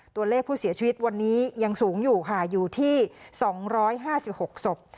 ตัวเลขผู้เสียชีวิตวันนี้ยังสูงอยู่ค่ะอยู่ที่๒๕๖ศพ